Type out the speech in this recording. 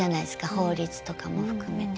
法律とかも含めてね。